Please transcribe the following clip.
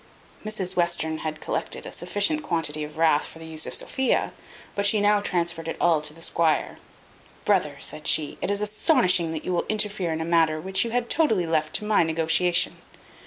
Mrs Western had collected a sufficient quantity of wrath for the use of Sophia; but she now transferred it all to the squire. "Brother," said she, "it is astonishing that you will interfere in a matter which you had totally left to my negotiation.